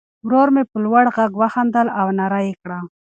ورور مې په لوړ غږ وخندل او ناره یې کړه.